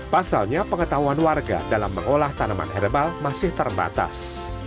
pasalnya pengetahuan warga dalam mengolah tanaman herbal masih terbatas